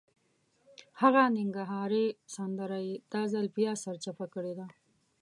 هغه ننګرهارۍ سندره یې دا ځل بیا سرچپه کړې ده.